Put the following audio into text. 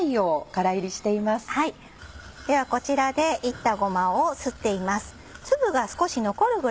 ではこちらでいったごまをすっています。